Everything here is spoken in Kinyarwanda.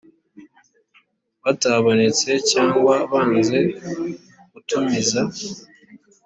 batabonetse cyangwa banze gutumiza